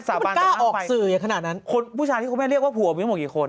อันนั้นผู้ชายที่คุณแม่เรียกว่าผัวมีต้องบอกกี่คน